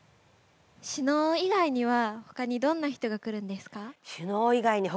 首脳以外にほかにどんな人が来るか。